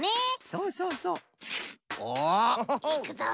そうそうそうオホホホいくぞ。